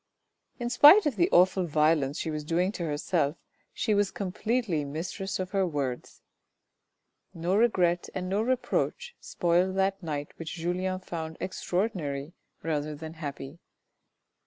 In spite of the awful violence she was doing to herself she was completely mistress of her words. No regret and no reproach spoiled that night which Julien found extraordinary rather than happy.